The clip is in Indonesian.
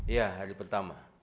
ya hari pertama